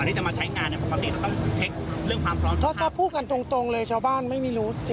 ก่อนที่จะมาใช้งานปกติความพลอดภัยเองต้องเช็คเรื่องความพลอดภัยสิทธิ์